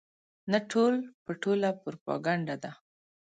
نه ټول په ټوله پروپاګنډه ده.